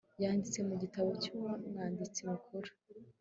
yanditse mu gitabo cy Umwanditsi Mukuru